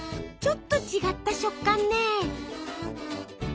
ちょっと違った食感ね。